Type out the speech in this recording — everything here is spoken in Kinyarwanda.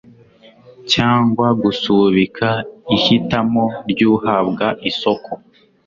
cyangwa gusubika ihitamo ry uhabwa isoko